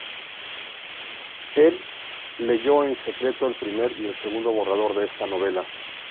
Él, leyó en secreto el primer y el segundo borrador de esta novela.